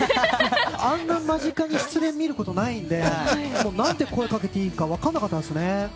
あんなに間近で失恋を見ることがないから何て声をかけていいか分からなかったですね。